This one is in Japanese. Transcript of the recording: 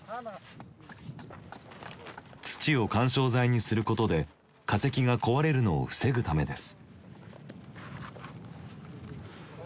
土を緩衝材にすることで化石が壊れるのを防ぐためです。